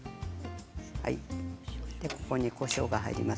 ここに、こしょうが入ります。